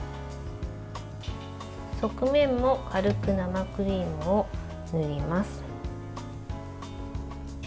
側面も軽く生クリームを塗ります。